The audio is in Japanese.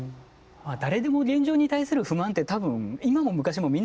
誰でも現状に対する不満って多分今も昔もみんな持ってるはずでしょうし。